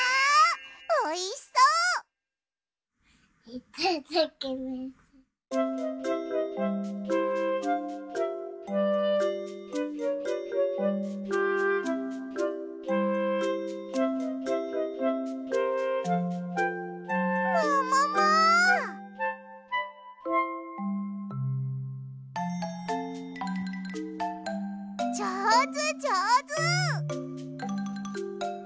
じょうずじょうず！